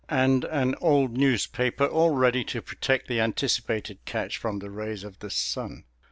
And an old newspaper, all ready to protect the anticipated catch from the rays of the sun.